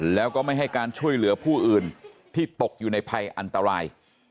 แล้วก็ไม่ให้การช่วยเหลือผู้อื่นที่ตกอยู่ในภัยอันตราย